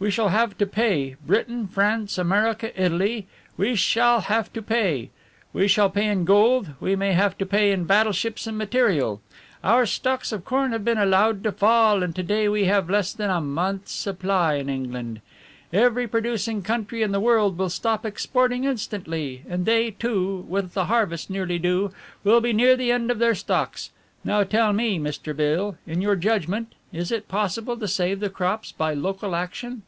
We shall have to pay, Britain, France, America, Italy we shall have to pay. We shall pay in gold, we may have to pay in battleships and material. Our stocks of corn have been allowed to fall and to day we have less than a month's supply in England. Every producing country in the world will stop exporting instantly, and they, too, with the harvest nearly due, will be near the end of their stocks. Now tell me, Mr. Beale, in your judgment, is it possible to save the crops by local action?"